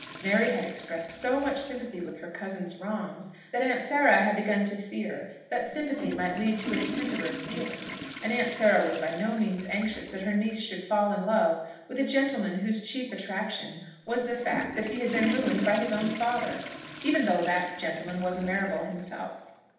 Mary had expressed so much sympathy with her cousin's wrongs, that aunt Sarah had begun to fear that that sympathy might lead to a tenderer feeling, and aunt Sarah was by no means anxious that her niece should fall in love with a gentleman whose chief attraction was the fact that he had been ruined by his own father, even though that gentleman was a Marrable himself.